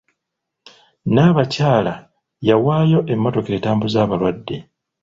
Nnaabakyala yawaayo emmotoka etambuza abalwadde.